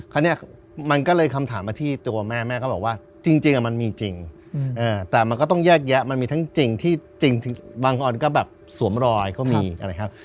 คราวนี้มันก็เลยคำถามมาที่ตัวแม่แม่ก็บอกว่าจริงมันมีจริงแต่มันก็ต้องแยกแยะมันมีทั้งจริงที่จริงบางออนก็แบบสวมรอยก็มีอะไรครับ